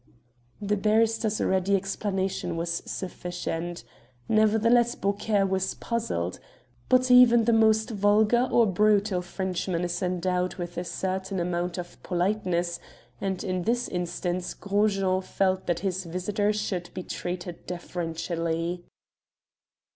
The barrister's ready explanation was sufficient. Nevertheless Beaucaire was puzzled. But even the most vulgar or brutal Frenchman is endowed with a certain amount of politeness, and in this instance Gros Jean felt that his visitor should be treated deferentially.